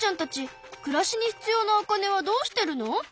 暮らしに必要なお金はどうしてるの？